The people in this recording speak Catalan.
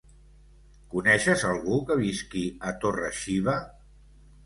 Coneixes algú que visqui a Torre-xiva?